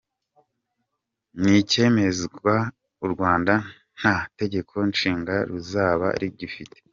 Nicyemezwa u Rwanda nta Tegeko Nshinga ruzaba rugifite !